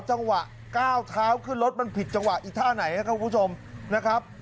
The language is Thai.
จังหวะก้าวเท้าขึ้นรถมันผิดจังหวะอีกท่าไหนครับคุณผู้ชมนะครับ